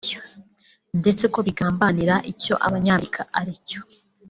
ndetse ko bigambanira icyo abanyamerika ari cyo